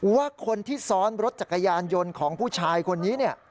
ว่าคนที่ซ้อนรถจักรยานยนต์ของผู้ชายคนนี้เนี่ย